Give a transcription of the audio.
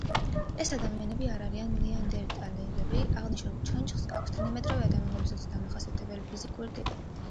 ეს ადამიანები არ არიან ნეანდერტალელები, აღნიშნულ ჩონჩხს აქვს თანამედროვე ადამიანისათვის დამახასიათებელი ფიზიკური ტიპი.